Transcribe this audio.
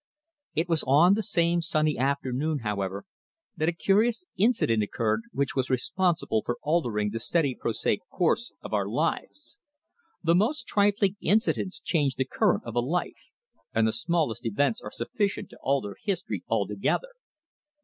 It was on the same sunny afternoon, however, that a curious incident occurred which was responsible for altering the steady prosaic course of our lives. The most trifling incidents change the current of a life, and the smallest events are sufficient to alter history altogether.